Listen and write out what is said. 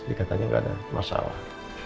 dikatanya gak ada masalah